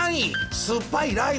すっぱいライム